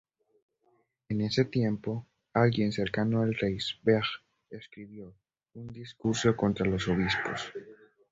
En ese tiempo, alguien cercano al rey Sverre escribió "Un discurso contra los obispos".